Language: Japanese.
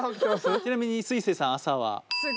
ちなみにすいせいさん朝は？